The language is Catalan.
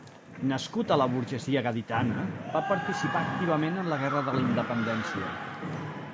Nascut a la burgesia gaditana, va participar activament en la Guerra de la Independència.